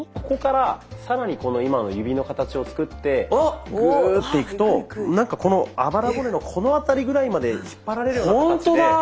ここから更にこの今の指の形を作ってグーッていくとなんかこのあばら骨のこの辺りぐらいまで引っ張られるような形で。